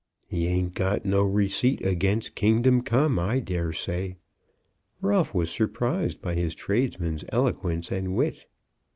"He ain't got no receipt against kingdom come, I dare say." Ralph was surprised by his tradesman's eloquence and wit.